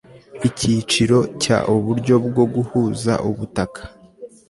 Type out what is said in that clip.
icyiciro cya uburyo bwo guhuza ubutaka